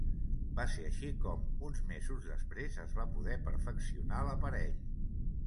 Va ser així com, uns mesos després es va poder perfeccionar l'aparell.